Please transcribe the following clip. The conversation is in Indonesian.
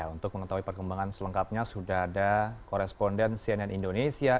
untuk mengetahui perkembangan selengkapnya sudah ada koresponden cnn indonesia